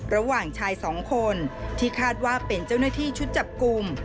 ระหว่างชายสองคนที่คาดว่าเป็นเจ้าหน้าที่ชุดจับกลุ่ม